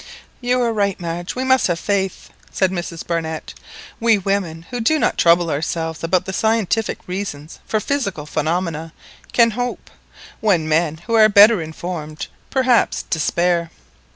"You are right. Madge, we must have faith!" said Mrs Barnett. "We women who do not trouble ourselves about the scientific reasons for physical phenomena can hope, when men who are better informed, perhaps, despair.